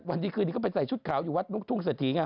วันที่คืนนี้เขาไปใส่ชุดขาวอยู่วัดทุ่งเศรษฐีไง